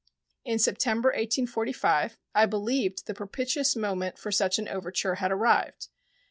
In September, 1845, I believed the propitious moment for such an overture had arrived.